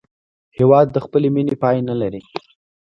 هېواد د خپلې مینې پای نه لري.